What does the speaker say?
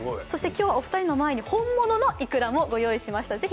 今日はお二人の前に本物のいくらもご用意しました。